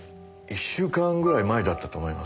一週間ぐらい前だったと思います。